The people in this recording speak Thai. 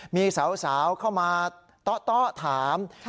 มีสาวเข้ามาเตาะถาม